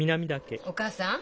お義母さん。